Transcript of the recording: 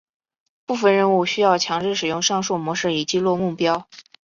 部分任务需要强制使用上述模式以击落目标。